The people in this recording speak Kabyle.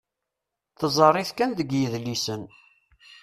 Tezzar-it kan deg yidlisen.